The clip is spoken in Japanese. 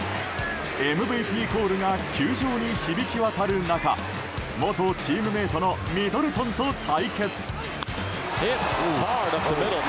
ＭＶＰコールが球場に響き渡る中元チームメートのミドルトンと対決。